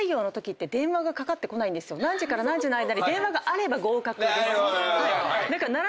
何時から何時の間に電話があれば合格です。